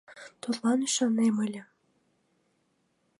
Тудлан ӱшанен иле.